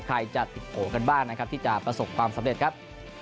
ใครจะติดโผล่กันบ้างนะครับที่จะประสบความสำเร็จครับ